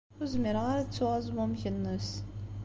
Ur zmireɣ ara ad ttuɣ azmumeg-nnes.